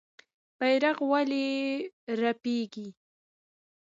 بیرغ ولې رپیږي؟